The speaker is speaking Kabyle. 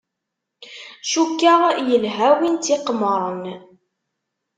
Cukkeɣ yelha win tt-iqemmren.